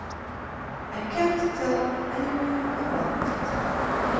I can't tell anyone about it.